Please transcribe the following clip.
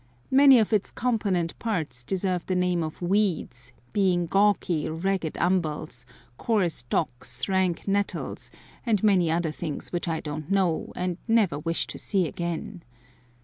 Many of its component parts deserve the name of weeds, being gawky, ragged umbels, coarse docks, rank nettles, and many other things which I don't know, and never wish to see again.